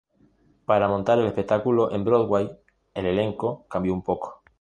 Para montar el espectáculo en Broadway el elenco cambió un poco.